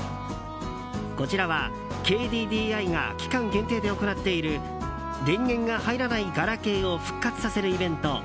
こちらはＫＤＤＩが期間限定で行っている電源が入らないガラケーを復活させるイベント